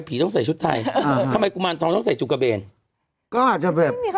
พี่หนุ่มต้องตอบคำนี้